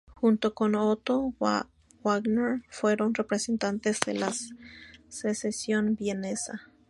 Junto con Otto Wagner fueron representantes de la Sezession vienesa.